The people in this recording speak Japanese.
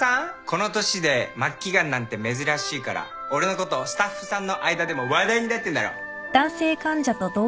この年で末期がんなんて珍しいから俺のことスタッフさんの間でも話題になってんだろ？